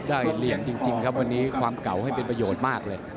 เหลี่ยมจริงครับวันนี้ความเก่าให้เป็นประโยชน์มากเลย